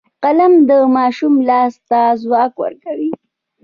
قلم د ماشوم لاس ته ځواک ورکوي